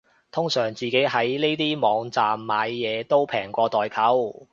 通常自己喺呢啲網站買嘢都平過代購